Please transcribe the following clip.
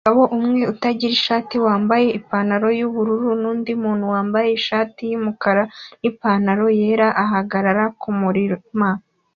Umugabo umwe utagira ishati wambaye ipantaro yubururu nundi muntu wambaye ishati yumukara nipantaro yera ahagarara kumurima